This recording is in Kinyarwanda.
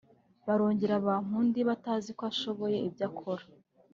(cyangwa) barongera bampa undi bataziko ashoboye ibyo akora